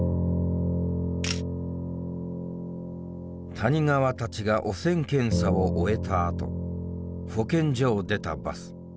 谷川たちが汚染検査を終えたあと保健所を出たバス。